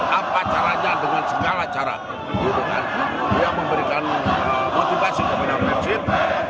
apa caranya dengan segala cara itu kan yang memberikan motivasi kepada persib